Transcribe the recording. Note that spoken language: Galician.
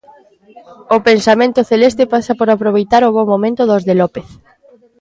O pensamento celeste pasa por aproveitar o bo momento dos de López.